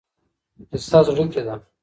کیسه زړه کي ده.